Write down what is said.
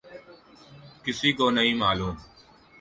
کسی کو نہیں معلوم۔